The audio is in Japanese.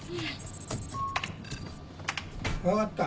分かった。